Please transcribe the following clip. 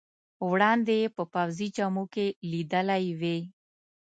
وړاندې یې په پوځي جامو کې لیدلی وې.